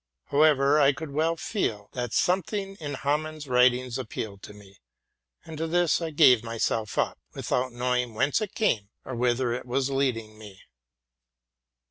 However, T could well feel that something in Hamann's writings appealed to me ; and to this I gave myself up, without knowi ing whence it came or whither it was leading me.